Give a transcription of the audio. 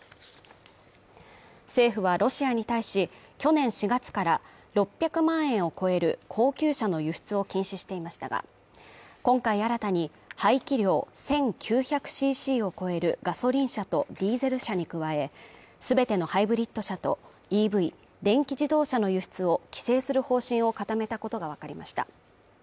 政府はロシアに対し、去年４月から６００万円を超える高級車の輸出を禁止していましたが、今回新たに排気量１９００ＣＣを超えるガソリン車とディーゼル車に加え、全てのハイブリッド車とＥＶ＝電気自動車の輸出を規制する方針を固めたことがわかりました。